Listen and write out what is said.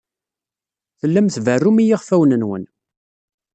Tellam tberrum i yiɣfawen-nwen.